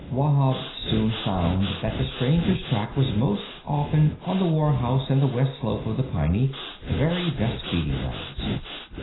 Wahb soon found that the stranger's track was most often on the Warhouse and the west slope of the Piney, the very best feeding grounds.